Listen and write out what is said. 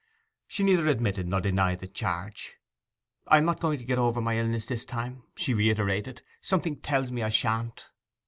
She neither admitted nor denied the charge. 'I am not going to get over my illness this time,' she reiterated. 'Something tells me I shan't.